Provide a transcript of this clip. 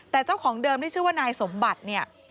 แต่เจ้าของเดิมที่ชื่อว่านายสมบัติเนี่ย